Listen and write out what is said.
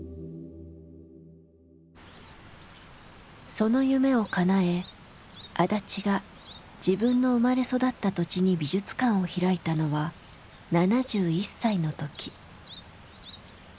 その夢をかなえ足立が自分の生まれ育った土地に美術館を開いたのは７１歳の時。